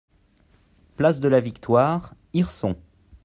Place de la Victoire, Hirson